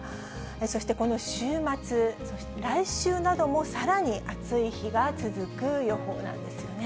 そしてこの週末、そして来週などもさらに暑い日が続く予報なんですよね。